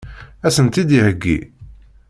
Ad sent-tt-id-iheggi?